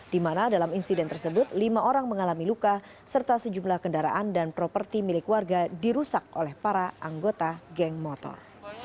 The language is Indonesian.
di mana dalam insiden tersebut lima orang mengalami luka serta sejumlah kendaraan dan properti milik warga dirusak oleh para anggota geng motor